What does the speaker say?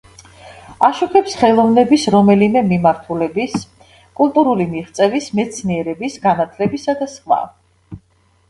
აშუქებს ხელოვნების რომელიმე მიმართულების, კულტურული მიღწევის, მეცნიერების, განათლებისა და სხვა.